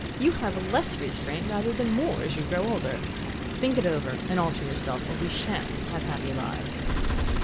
You have less restraint rather than more as you grow older. Think it over and alter yourself, or we shan't have happy lives."